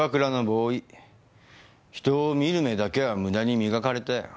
人を見る目だけは無駄に磨かれたよ。